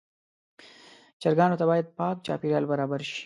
چرګانو ته باید پاک چاپېریال برابر شي.